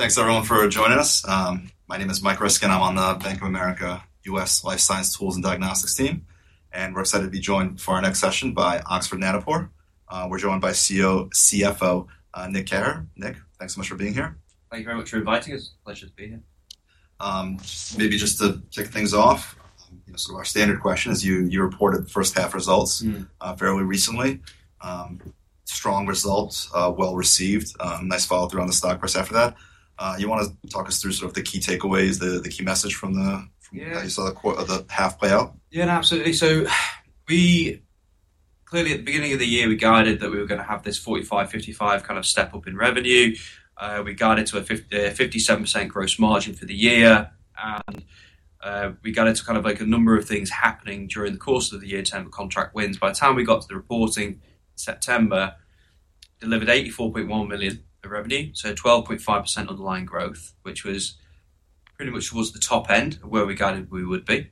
Thanks everyone for joining us. My name is Mike Ryskin. I'm on the Bank of America US Life Science Tools and Diagnostics team, and we're excited to be joined for our next session by Oxford Nanopore. We're joined by CFO, Nick Keher. Nick, thanks so much for being here. Thank you very much for inviting us. Pleasure to be here. Maybe just to kick things off, you know, so our standard question is, you reported first half results- Mm. Fairly recently. Strong results, well-received, nice follow-through on the stock price after that. You want to talk us through sort of the key takeaways, the key message from the- Yeah. How you saw the quarter, the half play out? Yeah, absolutely. So we clearly, at the beginning of the year, we guided that we were gonna have this 45-55 kind of step-up in revenue. We guided to a 57% gross margin for the year, and we guided to kind of like a number of things happening during the course of the year in terms of contract wins. By the time we got to the reporting in September, delivered £84.1 million of revenue, so 12.5% underlying growth, which was pretty much the top end of where we guided we would be.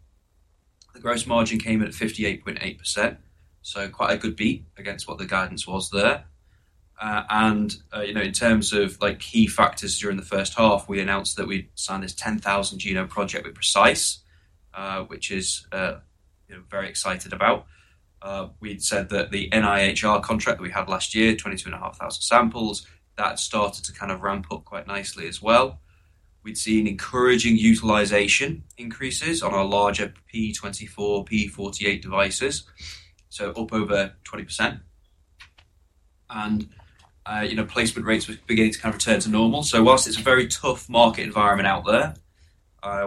The gross margin came in at 58.8%, so quite a good beat against what the guidance was there. And, you know, in terms of, like, key factors during the first half, we announced that we'd signed this 10,000 genome project with PRECISE, which is, you know, very excited about. We'd said that the NIHR contract that we had last year, 22,500 samples, that started to kind of ramp up quite nicely as well. We'd seen encouraging utilization increases on our larger P24, P48 devices, so up over 20%. And, you know, placement rates were beginning to kind of return to normal. So while it's a very tough market environment out there,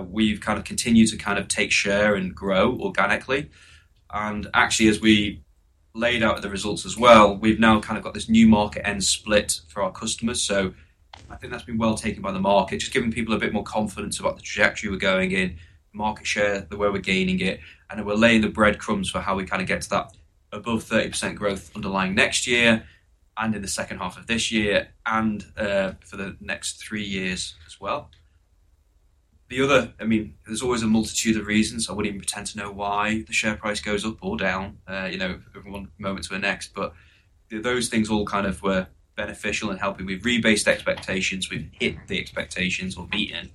we've kind of continued to kind of take share and grow organically. Actually, as we laid out the results as well, we've now kind of got this new market end split for our customers, so I think that's been well taken by the market. Just giving people a bit more confidence about the trajectory we're going in, market share, the way we're gaining it, and it will lay the breadcrumbs for how we kind of get to that above 30% growth underlying next year and in the second half of this year and for the next three years as well. The other - I mean, there's always a multitude of reasons. I wouldn't even pretend to know why the share price goes up or down, you know, from one moment to the next, but those things all kind of were beneficial in helping. We've rebased expectations, we've hit the expectations or beaten,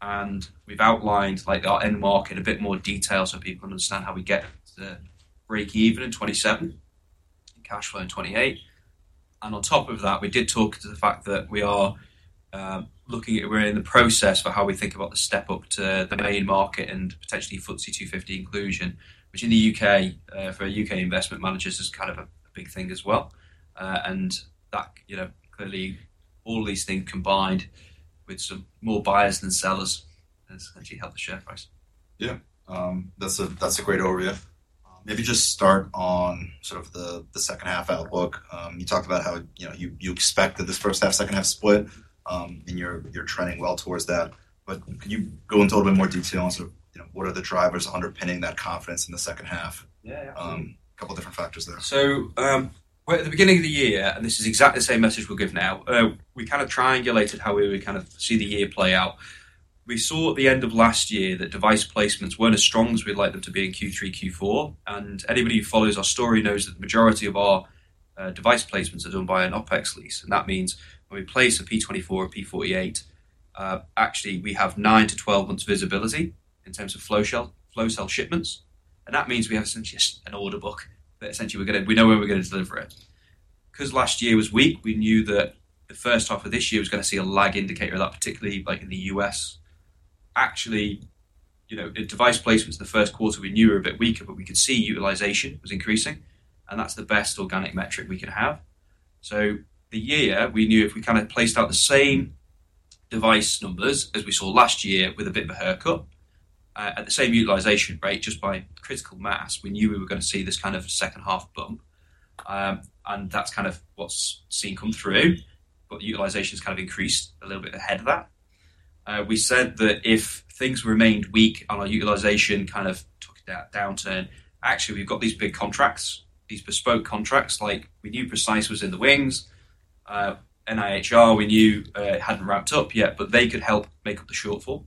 and we've outlined, like, our end market in a bit more detail so people understand how we get to break even in 2027, cash flow in 2028. And on top of that, we did talk to the fact that we are looking at we're in the process for how we think about the step up to the main market and potentially FTSE 250 inclusion, which in the U.K., for U.K. investment managers, is kind of a big thing as well. And that, you know, clearly all these things combined with some more buyers than sellers, has actually helped the share price. Yeah. That's a, that's a great overview. Maybe just start on sort of the second half outlook. You talked about how, you know, you expected this first half, second half split, and you're trending well towards that. But can you go into a little bit more detail on sort of, you know, what are the drivers underpinning that confidence in the second half? Yeah, absolutely. A couple of different factors there. At the beginning of the year, and this is exactly the same message we'll give now, we kind of triangulated how we would kind of see the year play out. We saw at the end of last year that device placements weren't as strong as we'd like them to be in Q3, Q4. And anybody who follows our story knows that the majority of our device placements are done by an OpEx lease, and that means when we place a P24 or P48, actually, we have nine to 12 months visibility in terms of flow cell shipments, and that means we have essentially an order book that essentially we're gonna we know where we're gonna deliver it. 'Cause last year was weak, we knew that the first half of this year was gonna see a lag indicator of that, particularly like in the U.S. Actually, you know, in device placements the first quarter, we knew were a bit weaker, but we could see utilization was increasing, and that's the best organic metric we can have. So the year, we knew if we kind of placed out the same device numbers as we saw last year with a bit of a haircut, at the same utilization rate, just by critical mass, we knew we were gonna see this kind of second half bump. And that's kind of what's seen come through, but the utilization's kind of increased a little bit ahead of that. We said that if things remained weak and our utilization kind of took a downturn, actually, we've got these big contracts, these bespoke contracts, like we knew PRECISE was in the wings. NIHR, we knew, hadn't ramped up yet, but they could help make up the shortfall.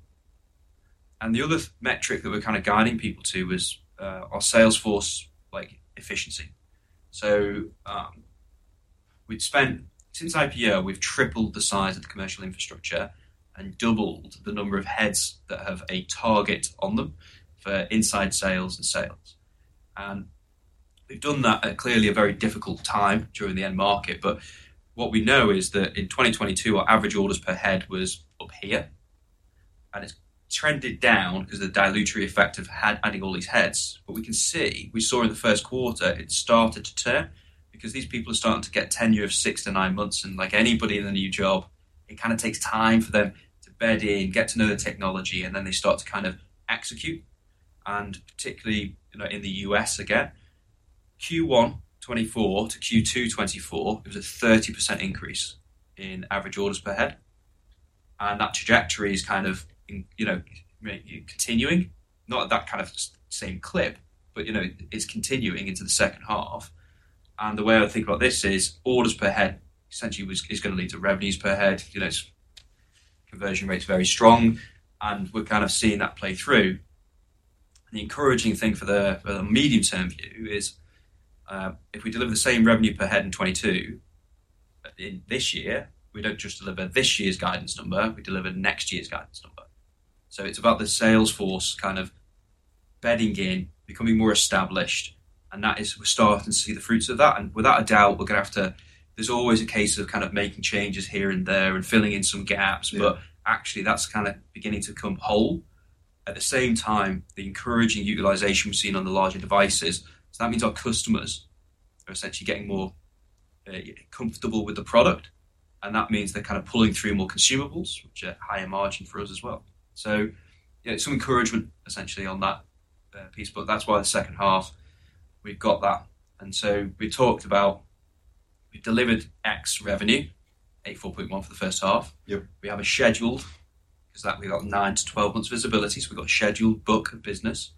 The other metric that we're kind of guiding people to was our sales force, like, efficiency. So, since IPO, we've tripled the size of the commercial infrastructure and doubled the number of heads that have a target on them for inside sales and sales. We've done that at clearly a very difficult time during the end market, but what we know is that in 2022, our average orders per head was up here, and it's trended down because the dilutive effect of adding all these heads. But we can see, we saw in the first quarter it started to turn, because these people are starting to get tenure of six to nine months, and like anybody in a new job, it kind of takes time for them to bed in, get to know the technology, and then they start to kind of execute. And particularly, you know, in the U.S. again, Q1 2024 to Q2 2024, it was a 30% increase in average orders per head, and that trajectory is kind of in, you know, continuing, not at that kind of same clip, but, you know, it's continuing into the second half. And the way I think about this is, orders per head essentially was, is gonna lead to revenues per head. You know, its conversion rate is very strong, and we're kind of seeing that play through. And the encouraging thing for the medium-term view is, if we deliver the same revenue per head in 2022, in this year, we don't just deliver this year's guidance number, we deliver next year's guidance number. So it's about the sales force kind of bedding in, becoming more established, and that is, we're starting to see the fruits of that. And without a doubt, we're going to have to. There's always a case of kind of making changes here and there and filling in some gaps. Yeah. But actually that's kind of beginning to come whole. At the same time, the encouraging utilization we've seen on the larger devices, so that means our customers are essentially getting more comfortable with the product, and that means they're kind of pulling through more consumables, which are higher margin for us as well. So yeah, some encouragement essentially on that piece, but that's why the second half we've got that. And so we talked about, we delivered £84.1 million revenue for the first half. Yep. Because we got nine to 12 months visibility, so we've got a scheduled book of business.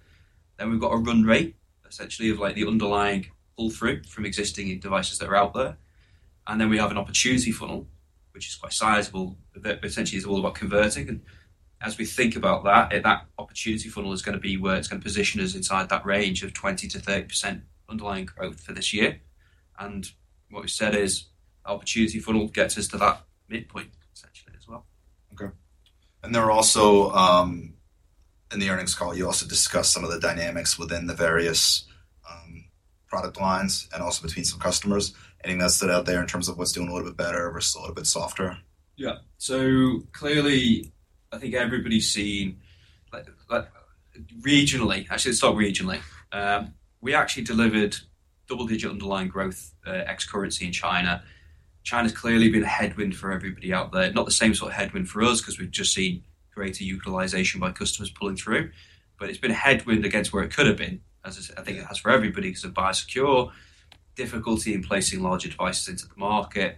Then we've got a run rate, essentially of like the underlying pull-through from existing devices that are out there. And then we have an opportunity funnel, which is quite sizable, but essentially, it's all about converting. And as we think about that, that opportunity funnel is going to be where it's going to position us inside that range of 20%-30% underlying growth for this year. And what we've said is, opportunity funnel gets us to that midpoint, essentially as well. Okay. And there are also, In the earnings call, you also discussed some of the dynamics within the various, product lines and also between some customers. Anything that stood out there in terms of what's doing a little bit better versus a little bit softer? Yeah. So clearly, I think everybody's seen, like regionally. Actually, let's start regionally. We actually delivered double-digit underlying growth, ex-currency in China. China's clearly been a headwind for everybody out there, not the same sort of headwind for us because we've just seen greater utilization by customers pulling through. But it's been a headwind against where it could have been, as I think it has for everybody, because of BioSecure, difficulty in placing larger devices into the market.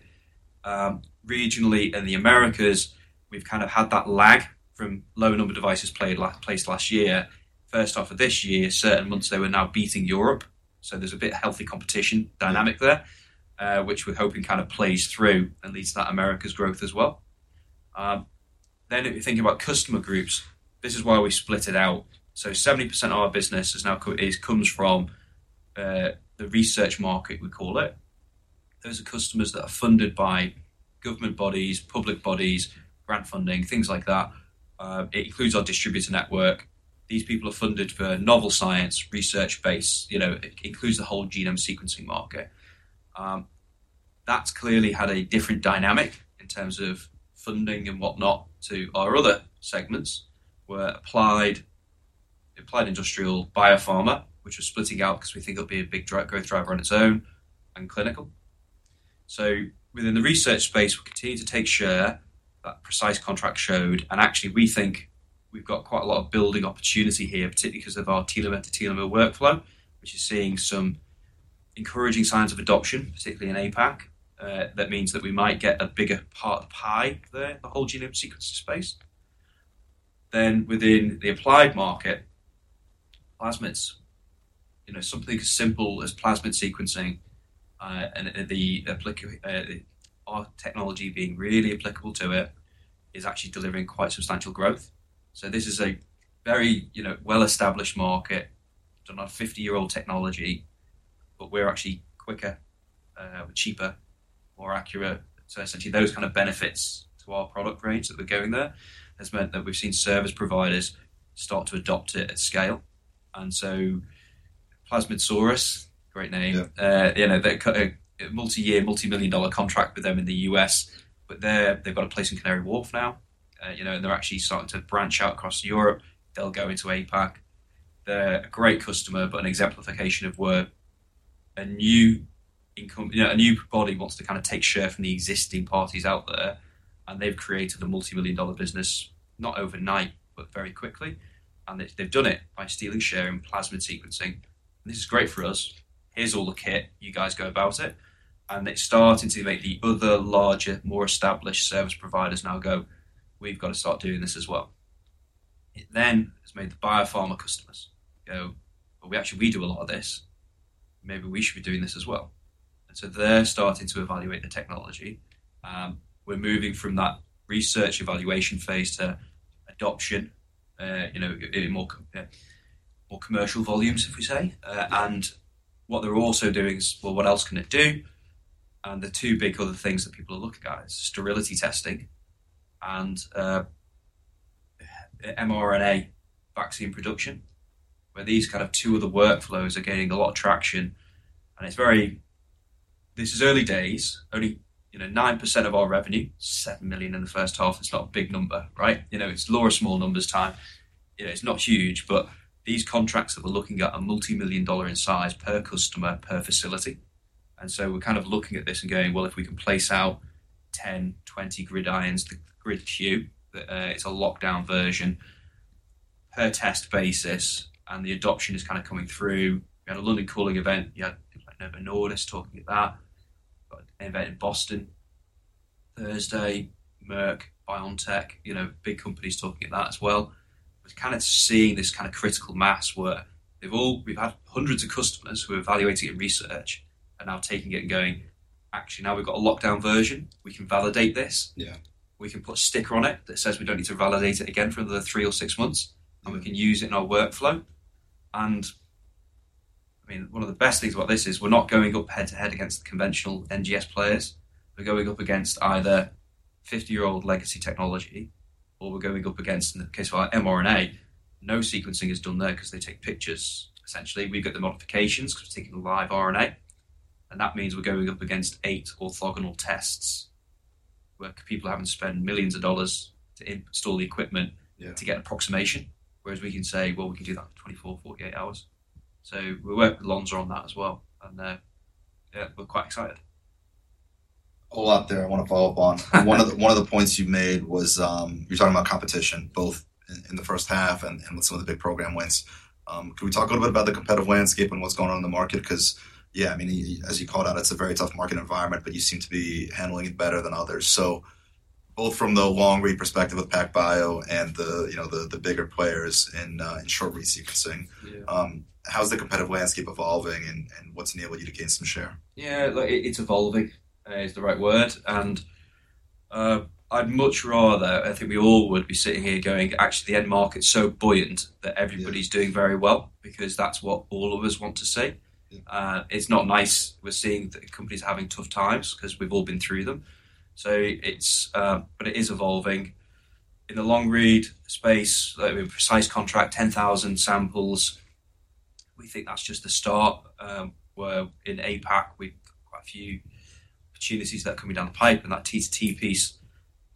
Regionally in the Americas, we've kind of had that lag from low number of devices placed last year. First half of this year, certain months they were now beating Europe, so there's a bit healthy competition dynamic there, which we're hoping kind of plays through and leads to that Americas growth as well. Then if you're thinking about customer groups, this is why we split it out. So 70% of our business is now comes from the research market, we call it. Those are customers that are funded by government bodies, public bodies, grant funding, things like that. It includes our distributor network. These people are funded for novel science research base, you know, it includes the whole genome sequencing market. That's clearly had a different dynamic in terms of funding and whatnot to our other segments, where applied industrial biopharma, which we're splitting out because we think it'll be a big drive, growth driver on its own and clinical. So within the research space, we continue to take share, that PRECISE contract showed, and actually, we think we've got quite a lot of building opportunity here, particularly because of our telomere-to-telomere workflow, which is seeing some encouraging signs of adoption, particularly in APAC. That means that we might get a bigger part of the pie there, the whole genome sequencing space. Then within the applied market, plasmids, you know, something as simple as plasmid sequencing, and our technology being really applicable to it, is actually delivering quite substantial growth. So this is a very, you know, well-established market. Don't know, a fifty-year-old technology, but we're actually quicker, cheaper, more accurate. So essentially, those kind of benefits to our product range that we're going there, has meant that we've seen service providers start to adopt it at scale. And so Plasmidsaurus, great name- Yeah. You know, they cut a multi-year, multimillion-dollar contract with them in the US, but they're, they've got a place in Canary Wharf now. You know, and they're actually starting to branch out across Europe. They'll go into APAC. They're a great customer, but an exemplification of where a new income... You know, a new body wants to kind of take share from the existing parties out there, and they've created a multimillion-dollar business, not overnight, but very quickly. And they've, they've done it by stealing share and plasmid sequencing. This is great for us. Here's all the kit. You guys go about it, and it's starting to make the other larger, more established service providers now go, "We've got to start doing this as well." It then has made the biopharma customers go, "Well, we actually do a lot of this. Maybe we should be doing this as well," and so they're starting to evaluate the technology. We're moving from that research evaluation phase to adoption, you know, in more commercial volumes, if we say. Yeah. And what they're also doing is, "Well, what else can it do?" The two big other things that people are looking at is sterility testing and mRNA vaccine production, where these kind of two other workflows are gaining a lot of traction, and it's very early days. Only, you know, 9% of our revenue, £7 million in the first half. It's not a big number, right? You know, it's lower small numbers time. You know, it's not huge, but these contracts that we're looking at are multi-million-dollar in size per customer, per facility. And so we're kind of looking at this and going, well, if we can place out 10, 20 GridIONs, the GridQ, it's a locked-down version, per-test basis, and the adoption is kind of coming through. We had a London Calling event, you had Novo Nordisk talking at that. Got an event in Boston Thursday. Merck, BioNTech, you know, big companies talking at that as well. We're kind of seeing this kind of critical mass where we've had hundreds of customers who are evaluating it in research and now taking it and going actually, now we've got a lockdown version, we can validate this. Yeah. We can put a sticker on it that says we don't need to validate it again for another three or six months, and we can use it in our workflow, and, I mean, one of the best things about this is we're not going up head-to-head against the conventional NGS players. We're going up against either fifty-year-old legacy technology or we're going up against, in the case of our mRNA, no sequencing is done there because they take pictures, essentially. We get the modifications because we're taking a live RNA, and that means we're going up against eight orthogonal tests, where people are having to spend millions of dollars to install the equipment. Yeah. To get an approximation. Whereas we can say, "Well, we can do that in twenty-four, forty-eight hours." So we work with Lonza on that as well, and, yeah, we're quite excited. A lot there I want to follow up on. One of the points you made was, you were talking about competition, both in the first half and with some of the big program wins. Can we talk a little bit about the competitive landscape and what's going on in the market? Because, yeah, I mean, as you called out, it's a very tough market environment, but you seem to be handling it better than others. So both from the long-read perspective of PacBio and the, you know, the bigger players in short-read sequencing- Yeah. How's the competitive landscape evolving and what's enabled you to gain some share? Yeah, look, it's evolving, is the right word, and, I'd much rather, I think we all would, be sitting here going, actually, the end market's so buoyant that everybody's- Yeah... doing very well because that's what all of us want to see. Yeah. It's not nice. We're seeing companies having tough times because we've all been through them. So it's, but it is evolving. In the long read space, the PRECISE contract, 10,000 samples, we think that's just the start. Where in APAC, we've quite a few opportunities that are coming down the pipe and that T2T piece.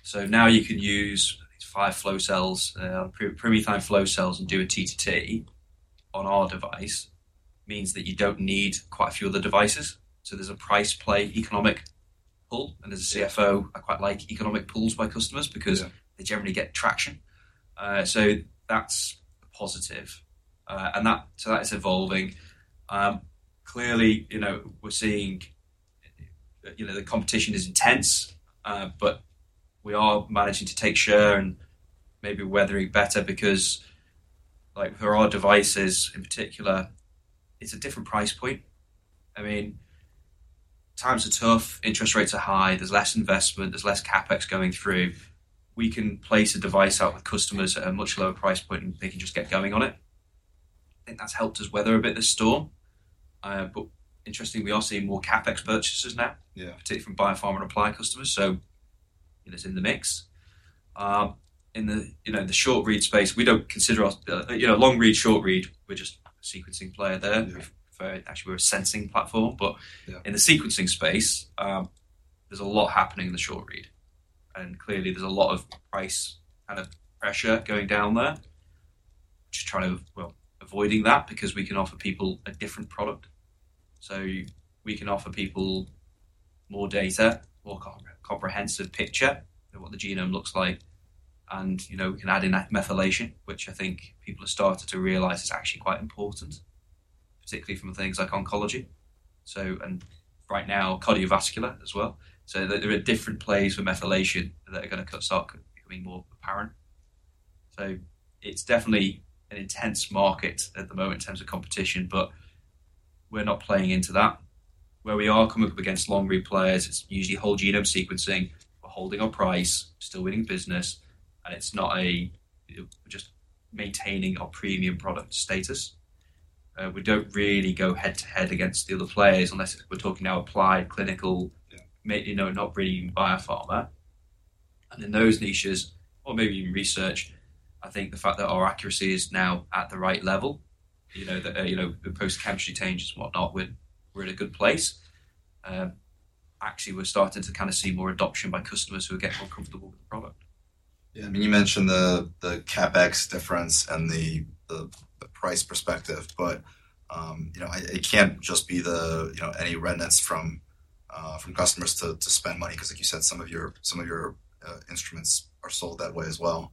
So now you can use these five flow cells, PromethION flow cells, and do a T2T on our device, means that you don't need quite a few other devices. So there's a price play, economic pull, and as a CFO, I quite like economic pulls by customers- Yeah... because they generally get traction. So that's a positive, and that, so that is evolving. Clearly, you know, we're seeing, you know, the competition is intense, but we are managing to take share and maybe weathering better because, like, for our devices in particular, it's a different price point. I mean, times are tough, interest rates are high, there's less investment, there's less CapEx going through. We can place a device out with customers at a much lower price point, and they can just get going on it. I think that's helped us weather a bit of the storm. But interestingly, we are seeing more CapEx purchases now- Yeah... particularly from biopharma and applied customers, so it's in the mix. In the, you know, short read space, we don't consider our, you know, long read, short read. We're just a sequencing player there. Yeah. Actually, we're a sensing platform, but- Yeah... in the sequencing space, there's a lot happening in the short read, and clearly, there's a lot of price pressure going down there. Well, avoiding that because we can offer people a different product. So we can offer people more data, more comprehensive picture of what the genome looks like, and, you know, we can add in that methylation, which I think people have started to realize is actually quite important, particularly from things like oncology. So, and right now, cardiovascular as well. So there are different plays with methylation that are going to start becoming more apparent. So it's definitely an intense market at the moment in terms of competition, but we're not playing into that. Where we are coming up against long read players, it's usually whole genome sequencing. We're holding our price, we're still winning business, and it's not. Just maintaining our premium product status. We don't really go head-to-head against the other players unless we're talking now applied clinical- Yeah... you know, not really biopharma, and in those niches, or maybe even research, I think the fact that our accuracy is now at the right level, you know, you know, the post-chemistry changes and whatnot, we're in a good place. Actually, we're starting to see more adoption by customers who are getting more comfortable with the product. Yeah, I mean, you mentioned the CapEx difference and the price perspective, but, you know, it can't just be the, you know, any reluctance from customers to spend money because, like you said, some of your instruments are sold that way as well,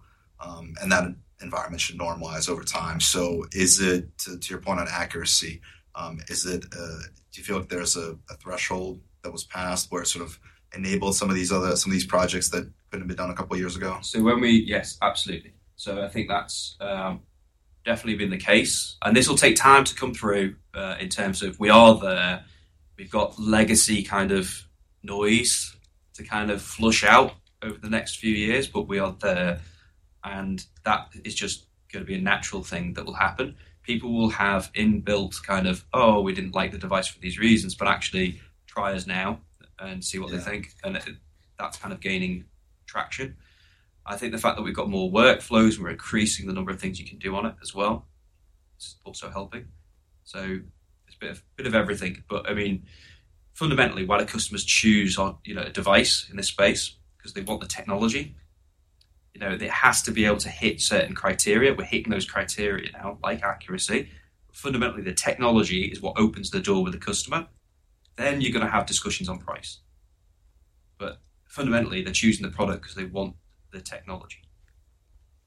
and that environment should normalize over time. So, to your point on accuracy, is it... Do you feel like there's a threshold that was passed where it sort of enabled some of these other projects that couldn't have been done a couple of years ago? Yes, absolutely. So I think that's definitely been the case, and this will take time to come through, in terms of we are there. We've got legacy kind of noise to kind of flush out over the next few years, but we are there, and that is just going to be a natural thing that will happen. People will have inbuilt kind of, "Oh, we didn't like the device for these reasons," but actually try us now and see what they think. Yeah. That's kind of gaining traction. I think the fact that we've got more workflows, we're increasing the number of things you can do on it as well, is also helping. It's a bit of everything, but I mean, fundamentally, why do customers choose our, you know, device in this space? Because they want the technology. You know, it has to be able to hit certain criteria. We're hitting those criteria now, like accuracy. Fundamentally, the technology is what opens the door with the customer, then you're going to have discussions on price. But fundamentally, they're choosing the product because they want the technology.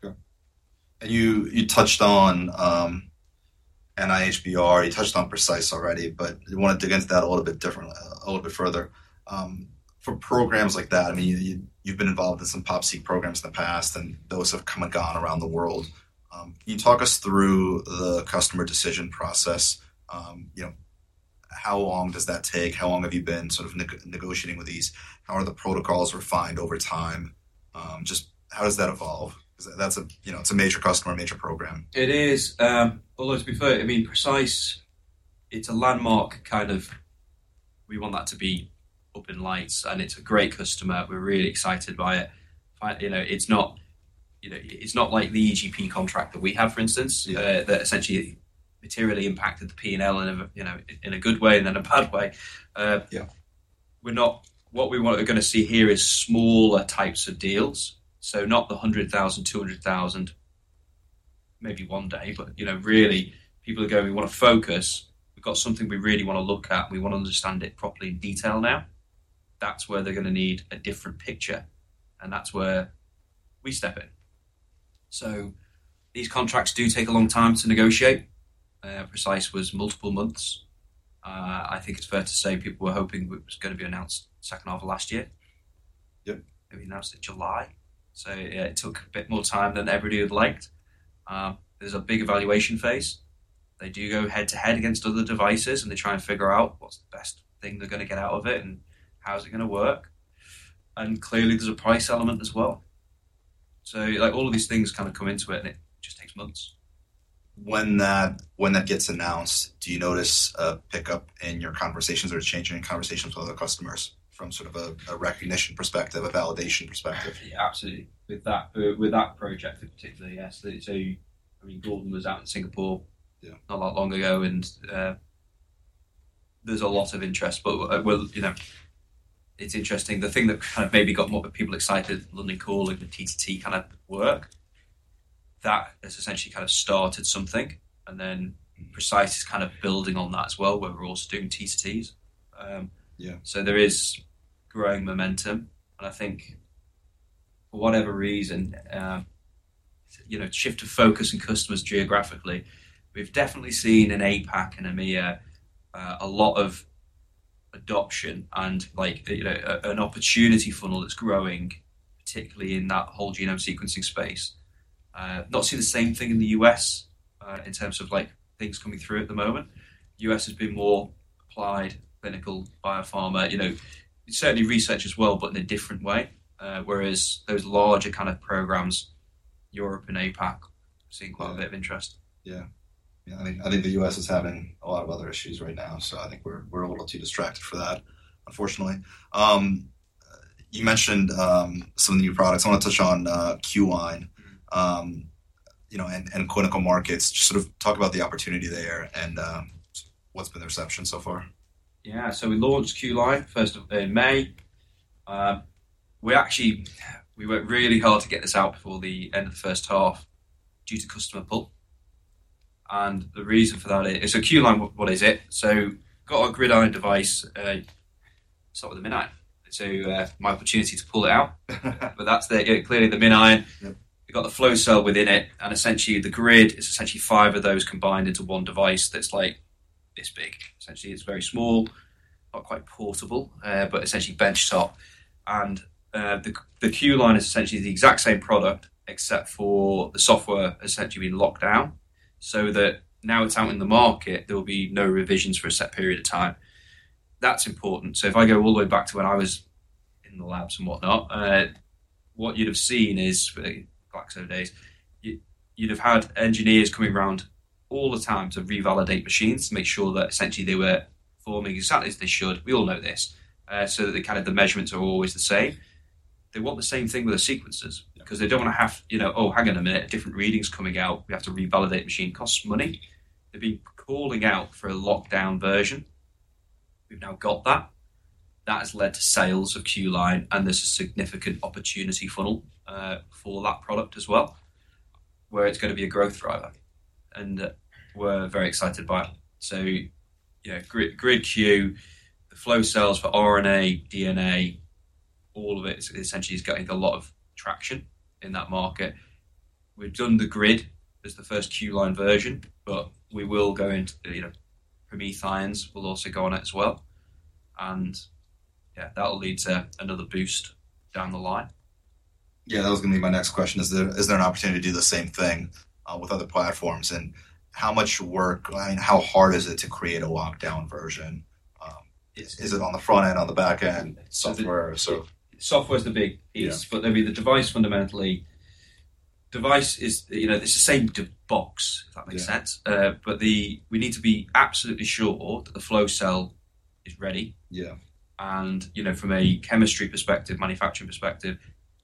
Sure. And you touched on NIHR, you touched on PRECISE already, but I wanted to get into that a little bit differently, a little bit further. For programs like that, I mean, you've been involved in some PopSeq programs in the past, and those have come and gone around the world. Can you talk us through the customer decision process? You know, how long does that take? How long have you been sort of negotiating with these? How are the protocols refined over time? Just how does that evolve? Because that's a, you know, it's a major customer, a major program. It is, although to be fair, I mean, PRECISE, it's a landmark, kind of, we want that to be up in lights, and it's a great customer. We're really excited by it. You know, it's not, you know, it's not like the EGP contract that we have, for instance- Yeah. that essentially materially impacted the P&L and, you know, in a good way, and then a bad way. Yeah. What we want, we're gonna see here is smaller types of deals, so not the hundred thousand, two hundred thousand. Maybe one day, but, you know, really, people are going: We want to focus. We've got something we really want to look at, and we want to understand it properly in detail now. That's where they're gonna need a different picture, and that's where we step in. So these contracts do take a long time to negotiate. PRECISE was multiple months. I think it's fair to say people were hoping it was gonna be announced second half of last year. Yep. It was announced in July, so, yeah, it took a bit more time than everybody would've liked. There's a big evaluation phase. They do go head-to-head against other devices, and they try and figure out what's the best thing they're gonna get out of it, and how is it gonna work. And clearly, there's a price element as well. So, like, all of these things kind of come into it, and it just takes months. When that gets announced, do you notice a pickup in your conversations, or a change in your conversations with other customers from sort of a recognition perspective, a validation perspective? Yeah, absolutely. With that, with that project in particular, yes. So, I mean, Gordon was out in Singapore. Yeah not that long ago, and there's a lot of interest, but, well, you know, it's interesting, the thing that kind of maybe got more people excited, London Calling and the T2T kind of work, that has essentially kind of started something, and then PRECISE is kind of building on that as well, where we're also doing T2Ts. Yeah. So there is growing momentum, and I think for whatever reason, you know, shift of focus in customers geographically. We've definitely seen in APAC and EMEA, a lot of adoption and like, you know, an opportunity funnel that's growing, particularly in that whole genome sequencing space. Not see the same thing in the U.S., in terms of, like, things coming through at the moment. U.S. has been more applied, clinical, biopharma, you know, certainly research as well, but in a different way. Whereas those larger kind of programs, Europe and APAC, have seen quite a bit of interest. Yeah. Yeah, I think the U.S. is having a lot of other issues right now, so I think we're a little too distracted for that, unfortunately. You mentioned some of the new products. I want to touch on Q-Line, you know, and clinical markets. Just sort of talk about the opportunity there and what's been the reception so far? Yeah. So we launched Q-Line first off in May. We actually worked really hard to get this out before the end of the first half due to customer pull, and the reason for that is... So Q-Line, what is it? So got our GridION device, start with the MinION. So, my opportunity to pull it out. But that's clearly the MinION. Yep. You've got the flow cell within it, and essentially, the Grid is essentially five of those combined into one device that's like this big. Essentially, it's very small, not quite portable, but essentially benchtop. And the Q-Line is essentially the exact same product, except for the software has essentially been locked-down so that now it's out in the market, there will be no revisions for a set period of time. That's important. So if I go all the way back to when I was in the labs and whatnot, what you'd have seen is, for the past several days, you'd have had engineers coming around all the time to revalidate machines, to make sure that essentially they were performing exactly as they should. We all know this. So that the kind of measurements are always the same. They want the same thing with the sequencers- Yeah Because they don't want to have, you know, "Oh, hang on a minute, different readings coming out. We have to revalidate machine." Costs money. They've been calling out for a locked-down version. We've now got that. That has led to sales of Q-Line, and there's a significant opportunity funnel for that product as well, where it's gonna be a growth driver, and we're very excited about it. So, yeah, Grid, Grid Q, the flow cells for RNA, DNA, all of it essentially is getting a lot of traction in that market. We've done the Grid as the first Q-Line version, but we will go into, you know, PromethIONs will also go on it as well. And yeah, that'll lead to another boost down the line. Yeah, that was gonna be my next question: Is there an opportunity to do the same thing with other platforms? And how much work, and how hard is it to create a locked-down version? Is it on the front end, on the back end, software, so- Software is the big piece. Yeah. But I mean, the device, fundamentally, is, you know, it's the same box, if that makes sense. Yeah. We need to be absolutely sure that the flow cell is ready. Yeah. And, you know, from a chemistry perspective, manufacturing perspective,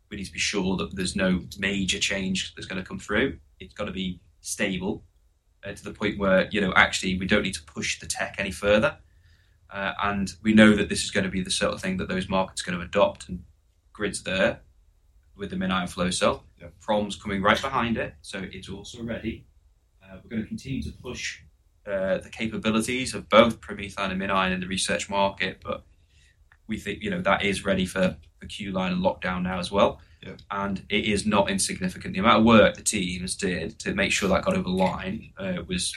we need to be sure that there's no major change that's gonna come through. It's got to be stable, to the point where, you know, actually, we don't need to push the tech any further. And we know that this is gonna be the sort of thing that those markets are gonna adopt, and Grid's there with the MinION flow cell. Yeah. Prom's coming right behind it, so it's also ready. We're gonna continue to push the capabilities of both PromethION and MinION in the research market, but we think, you know, that is ready for the Q-Line and locked-down now as well. Yeah. It is not insignificant. The amount of work the teams did to make sure that got over the line was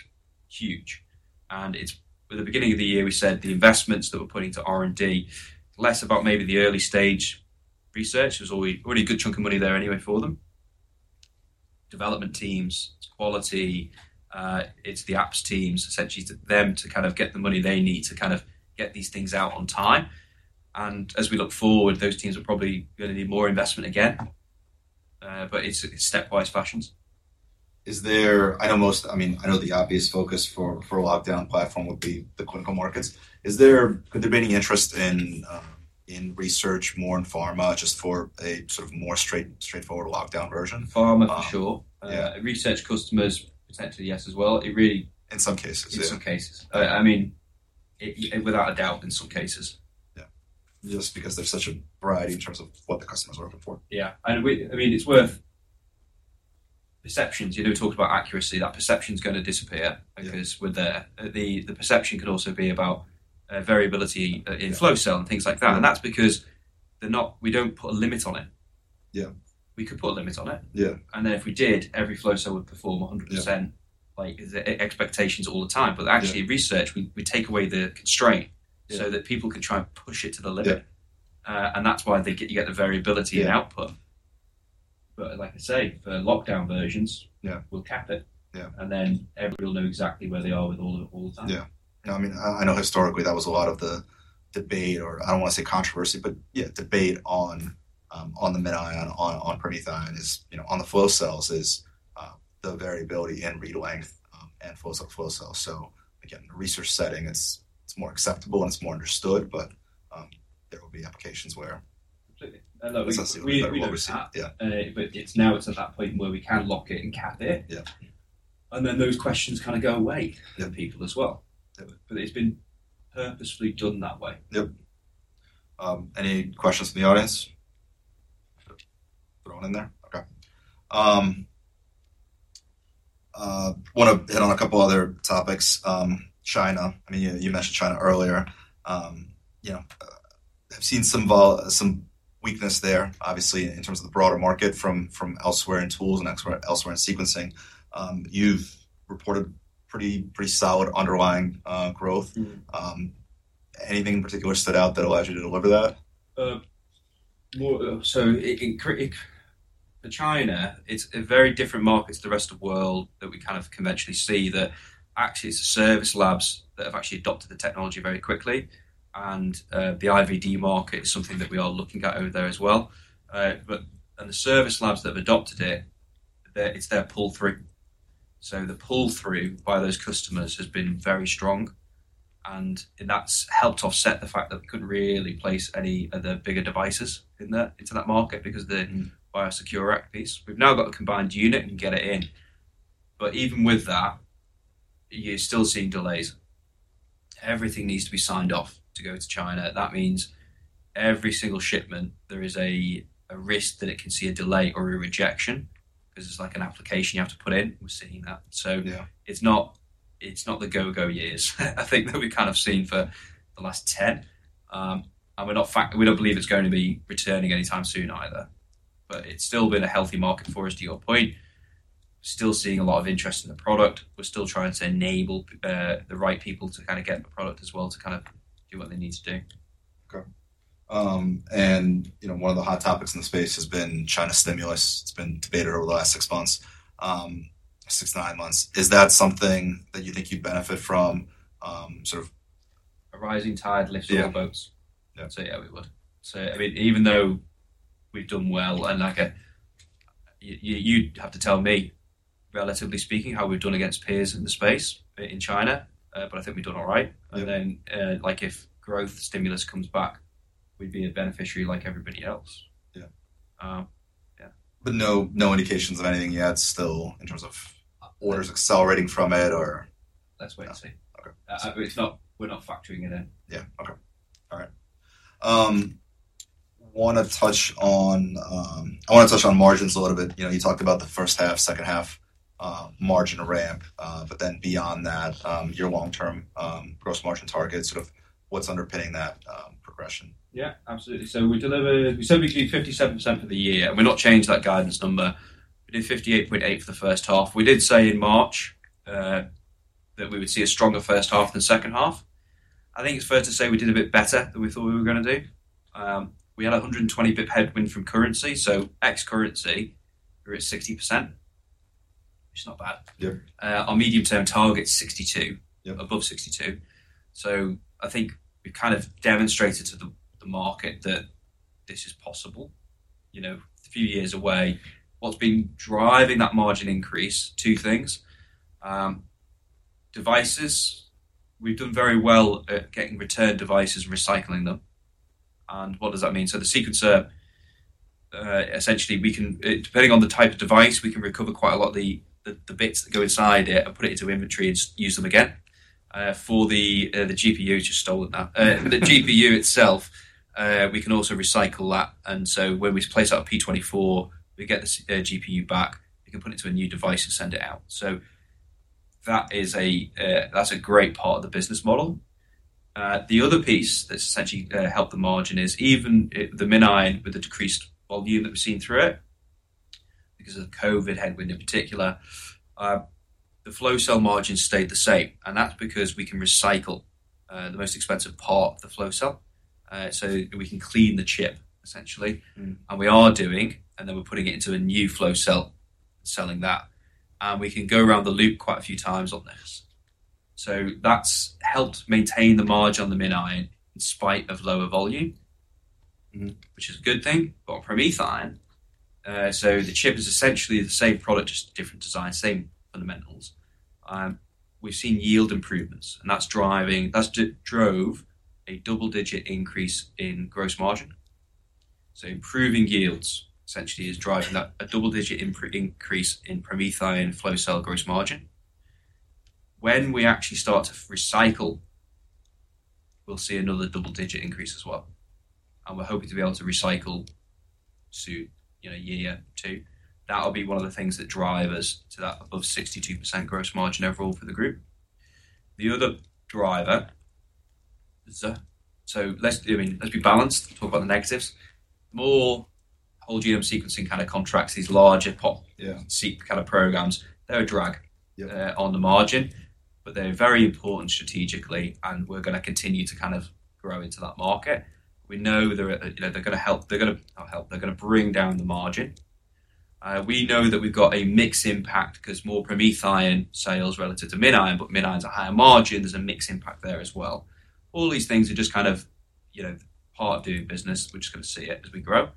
huge, and it's. At the beginning of the year, we said the investments that we're putting to R&D, less about maybe the early stage research, there's always a really good chunk of money there anyway for them. Development teams, quality, it's the apps teams, essentially to them to kind of get the money they need to kind of get these things out on time, and as we look forward, those teams are probably going to need more investment again, but it's stepwise fashions. Is there, I know most, I mean, I know the obvious focus for a lockdown platform would be the clinical markets. Is there, could there be any interest in research more in pharma, just for a sort of more straightforward lockdown version? Pharma, for sure. Yeah. Research customers, potentially, yes, as well. It really- In some cases, yeah. In some cases. I mean, it, without a doubt, in some cases. Yeah. Just because there's such a variety in terms of what the customers are looking for. Yeah, and I mean, it's worth... Perceptions, you know, we talked about accuracy, that perception's gonna disappear. Yeah. because we're there. The perception could also be about variability in flow cell and things like that. Mm-hmm. And that's because they're not. We don't put a limit on it. Yeah. We could put a limit on it. Yeah. And then if we did, every flow cell would perform 100%- Yeah... like the expectations all the time. Yeah. But actually, research, we take away the constraint- Yeah... so that people can try and push it to the limit. Yeah. And that's why they get, you get the variability in output. Yeah. But like I say, for locked-down versions- Yeah... we'll cap it. Yeah. And then everyone will know exactly where they are with all of it all the time. Yeah. Yeah, I mean, I know historically, that was a lot of the debate, or I don't want to say controversy, but yeah, debate on the MinION, on PromethION, you know, on the flow cells is the variability in read length, and flow cell. So again, in a research setting, it's more acceptable, and it's more understood, but there will be applications where- Absolutely. That's what we've seen. Yeah. But it's now at that point where we can lock it and cap it. Yeah. And then those questions kind of go away. Yeah - for people as well. Yeah. But it's been purposefully done that way. Yep. Any questions from the audience? Throw one in there. Okay. Want to hit on a couple other topics. China, I mean, you mentioned China earlier. You know, I've seen some weakness there, obviously, in terms of the broader market from elsewhere in tools and elsewhere in sequencing. You've reported pretty, pretty solid underlying growth. Mm-hmm. Anything in particular stood out that allows you to deliver that? For China, it's a very different market to the rest of world that we kind of conventionally see, that actually it's the service labs that have actually adopted the technology very quickly, and the IVD market is something that we are looking at over there as well. But and the service labs that have adopted it, their pull-through. So the pull-through by those customers has been very strong, and that's helped offset the fact that we couldn't really place any of the bigger devices into that market because the- Mm... BioSecure Act piece. We've now got a combined unit and can get it in, but even with that, you're still seeing delays. Everything needs to be signed off to go to China. That means every single shipment, there is a risk that it can see a delay or a rejection because it's like an application you have to put in. We're seeing that. Yeah. So it's not the go-go years, I think that we've kind of seen for the last ten. And we don't believe it's going to be returning anytime soon either, but it's still been a healthy market for us, to your point. Still seeing a lot of interest in the product. We're still trying to enable the right people to kind of get the product as well, to kind of do what they need to do. Okay. And you know, one of the hot topics in the space has been China stimulus. It's been debated over the last six months, six to nine months. Is that something that you think you'd benefit from, sort of- A rising tide lifts all boats. Yeah. I'd say yeah, we would. So, I mean, even though we've done well, and like, you, you'd have to tell me, relatively speaking, how we've done against peers in the space in China, but I think we've done all right. Yeah. And then, like, if growth stimulus comes back, we'd be a beneficiary like everybody else. Yeah. Um, yeah. But no, no indications of anything yet, still, in terms of orders accelerating from it, or...? Let's wait and see. Okay. But it's not. We're not factoring it in. Yeah. Okay. All right. I want to touch on margins a little bit. You know, you talked about the first half, second half, margin ramp, but then beyond that, your long-term gross margin target, sort of what's underpinning that progression? Yeah, absolutely. So we delivered. We said we'd do 57% for the year, and we have not changed that guidance number. We did 58.8% for the first half. We did say in March that we would see a stronger first half than second half. I think it's fair to say we did a bit better than we thought we were gonna do. We had a 120 pip headwind from currency, so ex-currency, we're at 60%, which is not bad. Yeah. Our medium-term target is 62. Yeah. Above 62. So I think we've kind of demonstrated to the market that this is possible, you know, a few years away. What's been driving that margin increase? Two things. Devices. We've done very well at getting returned devices and recycling them. And what does that mean? So the sequencer, essentially, we can, depending on the type of device, we can recover quite a lot, the bits that go inside it and put it into inventory and just use them again. For the GPU, just so then that. The GPU itself, we can also recycle that, and so when we place our P24, we get the GPU back. We can put it into a new device and send it out. So that's a great part of the business model. The other piece that's essentially helped the margin is even in the MinION with the decreased volume that we've seen through it because of the COVID headwind in particular, the flow cell margins stayed the same, and that's because we can recycle the most expensive part of the flow cell. So we can clean the chip, essentially. Mm-hmm. And we are doing, and then we're putting it into a new flow cell and selling that. And we can go around the loop quite a few times on this. So that's helped maintain the margin on the MinION in spite of lower volume. Mm-hmm. Which is a good thing. But for PromethION, so the chip is essentially the same product, just a different design, same fundamentals. We've seen yield improvements, and that's driving, that drove a double-digit increase in gross margin. So improving yields, essentially, is driving that, a double-digit increase in PromethION flow cell gross margin. When we actually start to recycle, we'll see another double-digit increase as well, and we're hoping to be able to recycle to, you know, year two. That'll be one of the things that drive us to that above 62% gross margin overall for the group. The other driver, so let's, I mean, let's be balanced and talk about the negatives. More whole genome sequencing kind of contracts, these larger pop- Yeah. these kind of programs, they're a drag- Yeah... on the margin, but they're very important strategically, and we're gonna continue to kind of grow into that market. We know they're, you know, gonna help. They're gonna help, they're gonna bring down the margin. We know that we've got a mix impact because more PromethION sales relative to MinION, but MinION's a higher margin. There's a mix impact there as well. All these things are just kind of, you know, part of doing business. We're just gonna see it as we grow.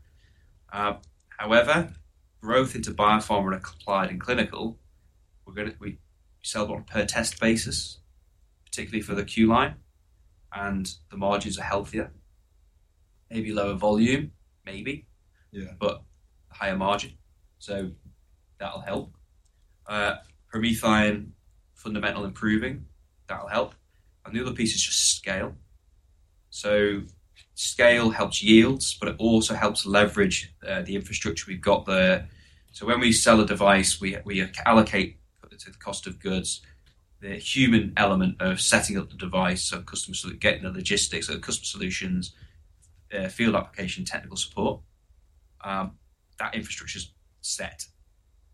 However, growth into biopharma and applied and clinical, we're gonna, we sell on a per-test basis, particularly for the Q-Line, and the margins are healthier. Maybe lower volume, maybe- Yeah... but higher margin, so that'll help. PromethION fundamentals improving, that'll help, and the other piece is just scale. So scale helps yields, but it also helps leverage the infrastructure we've got there. So when we sell a device, we allocate to the cost of goods the human element of setting up the device, so customers getting the logistics, so customer solutions, field application, technical support, that infrastructure's set.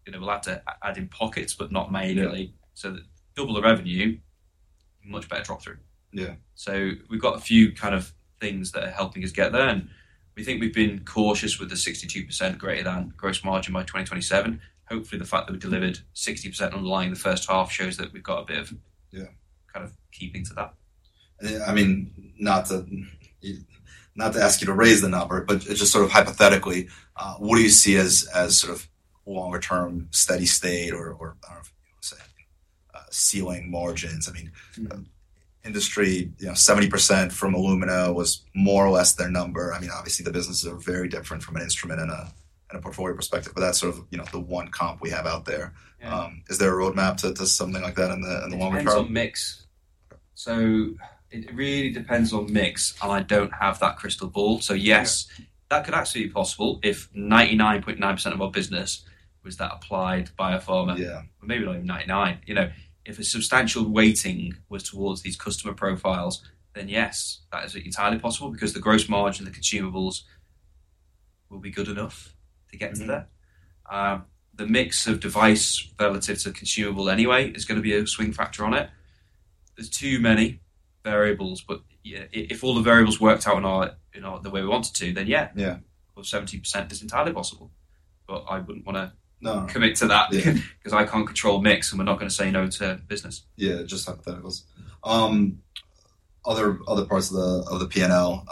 You know, we'll have to add in pockets, but not majorly. Yeah. Double the revenue, much better drop-through. Yeah. So we've got a few kind of things that are helping us get there, and we think we've been cautious with the 62% gross margin by 2027. Hopefully, the fact that we delivered 60% underlying in the first half shows that we've got a bit of- Yeah... kind of keeping to that. I mean, not to, not to ask you to raise the number, but just sort of hypothetically, what do you see as, as sort of longer-term steady state or, or I don't know, say, ceiling margins? I mean- Mm-hmm.... industry, you know, 70% from Illumina was more or less their number. I mean, obviously, the businesses are very different from an instrument and a portfolio perspective, but that's sort of, you know, the one comp we have out there. Yeah. Is there a roadmap to something like that in the longer term? Depends on mix, so it really depends on mix, and I don't have that crystal ball. Yeah. Yes, that could absolutely be possible if 99.9% of our business was that applied biopharma. Yeah. Maybe not even ninety-nine, you know. If a substantial weighting was towards these customer profiles, then, yes, that is entirely possible because the gross margin, the consumables will be good enough to get us there. Mm-hmm. The mix of device relative to consumable anyway is gonna be a swing factor on it. There's too many variables, but yeah, if all the variables worked out in our... the way we want it to, then, yeah. Yeah. 70% is entirely possible, but I wouldn't wanna- No... commit to that. Yeah. Because I can't control mix, and we're not gonna say no to business. Yeah, just hypotheticals. Other parts of the P&L,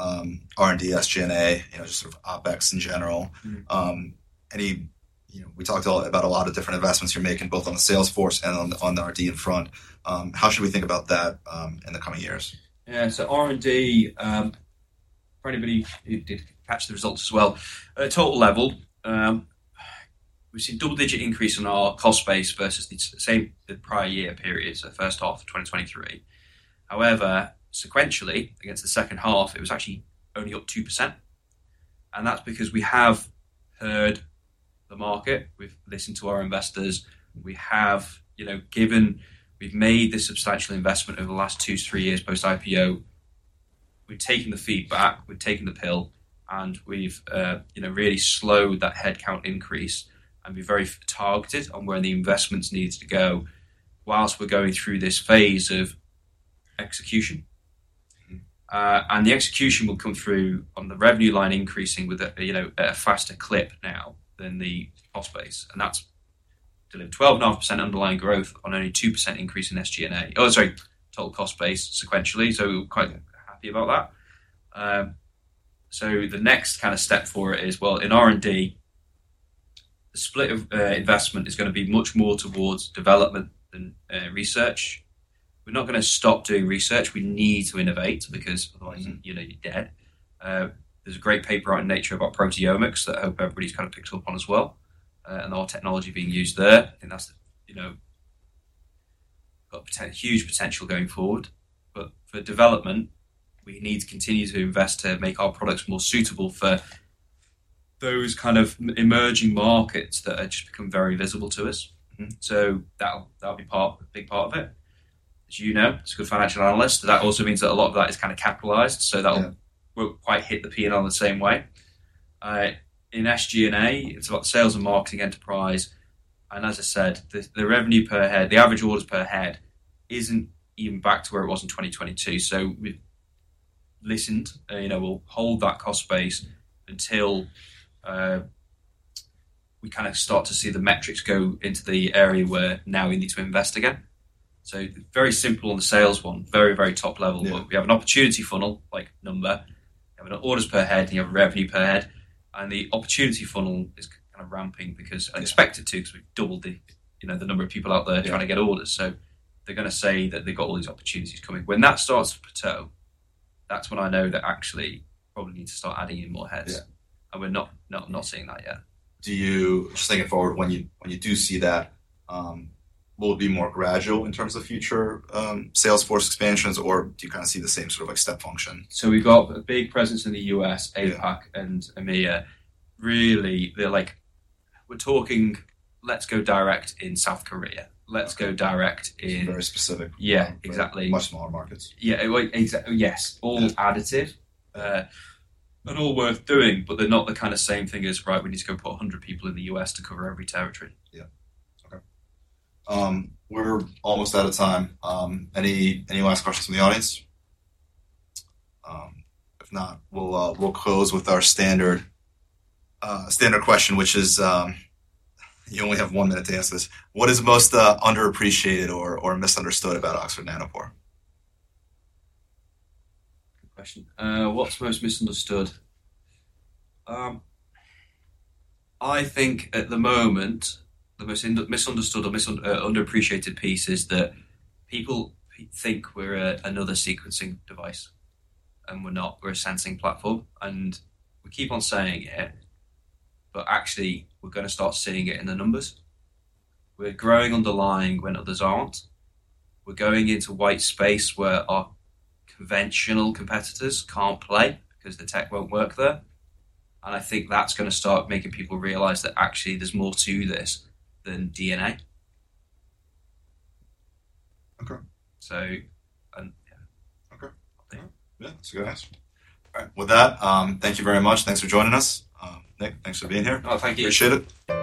R&D, SG&A, you know, just sort of OpEx in general. Mm-hmm. You know, we talked a lot about a lot of different investments you're making, both on the sales force and on the R&D front. How should we think about that, in the coming years? Yeah. So R&D, for anybody who did catch the results as well, at a total level, we've seen double-digit increase in our cost base versus the same the prior year period, so first half of 2023. However, sequentially, against the second half, it was actually only up 2%, and that's because we have heard the market. We've listened to our investors, and we have, you know, given, we've made this substantial investment over the last two, three years, post-IPO. We've taken the feedback, we've taken the pill, and we've, you know, really slowed that headcount increase, and we're very targeted on where the investments needs to go whilst we're going through this phase of execution. Mm-hmm. And the execution will come through on the revenue line, increasing with, you know, a faster clip now than the cost base, and that's delivered 12.5% underlying growth on only 2% increase in SG&A. Oh, sorry, total cost base sequentially, so quite happy about that. So the next kind of step for it is, well, in R&D, the split of investment is gonna be much more towards development than research. We're not gonna stop doing research. We need to innovate because otherwise- Mm-hmm... you know, you're dead. There's a great paper out in Nature about proteomics that I hope everybody's kind of picked up on as well, and our technology being used there, and that's, you know, got huge potential going forward. But for development, we need to continue to invest to make our products more suitable for those kind of emerging markets that have just become very visible to us. Mm-hmm. So that'll be a big part of it, as you know, as a good financial analyst, that also means that a lot of that is kind of capitalized, so that- Yeah. won't quite hit the P&L the same way. In SG&A, it's about sales and marketing enterprise, and as I said, the revenue per head, the average orders per head, isn't even back to where it was in 2022. So we've listened, you know, we'll hold that cost base until we kind of start to see the metrics go into the area where now we need to invest again. So very simple on the sales one, very, very top level. Yeah. But we have an opportunity funnel, like number. We have an orders per head, and you have a revenue per head, and the opportunity funnel is kind of ramping because I expect it to, because we've doubled the, you know, the number of people out there- Yeah Trying to get orders. So they're going to say that they've got all these opportunities coming. When that starts to plateau, that's when I know that actually probably need to start adding in more heads. Yeah. We're not seeing that yet. Just thinking forward, when you do see that, will it be more gradual in terms of future sales force expansions, or do you kind of see the same sort of like step function? We've got a big presence in the U.S.- Yeah APAC and EMEA. Really, they're like... We're talking, let's go direct in South Korea. Let's go direct in- Very specific. Yeah, exactly. Much smaller markets. Yeah. Yes. Yeah. All additive, and all worth doing, but they're not the kind of same thing as, right, we need to go put 100 people in the U.S. to cover every territory. Yeah. Okay. We're almost out of time. Any last questions from the audience? If not, we'll close with our standard question, which is, you only have one minute to answer this: What is most underappreciated or misunderstood about Oxford Nanopore? Good question. What's most misunderstood? I think at the moment, the most misunderstood or underappreciated piece is that people think we're another sequencing device, and we're not. We're a sensing platform, and we keep on saying it, but actually we're gonna start seeing it in the numbers. We're growing underlying when others aren't. We're going into white space where our conventional competitors can't play because the tech won't work there. And I think that's gonna start making people realize that actually there's more to this than DNA. Okay. So, and yeah. Okay. Yeah. Yeah. That's a good answer. All right. With that, thank you very much. Thanks for joining us. Nick, thanks for being here. Oh, thank you. Appreciate it.